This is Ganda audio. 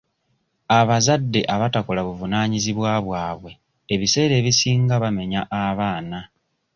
Abazadde abatakola buvunaanyizibwa bwabwe ebiseera ebisinga bamenya abaana.